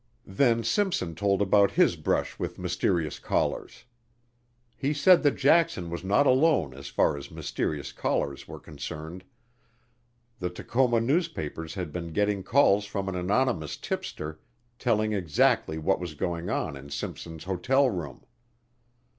Then Simpson told about his brush with mysterious callers. He said that Jackson was not alone as far as mysterious callers were concerned, the Tacoma newspapers had been getting calls from an anonymous tipster telling exactly what was going on in Simpson's hotel room.